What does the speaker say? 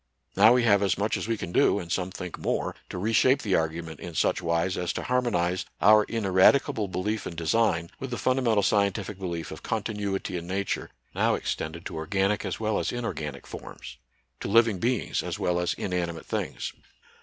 Now we have as much as we can do, and some think more, to reshape the argument in such wise as to harmonize our ineradicable belief in design with the fundamental scientific belief of conti nuity in nature, now extended to organic as well as inorganic forms, to living beings as well as inanimate things.